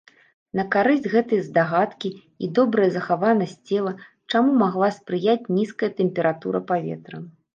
На карысць гэтай здагадкі і добрая захаванасць цела, чаму магла спрыяць нізкая тэмпература паветра.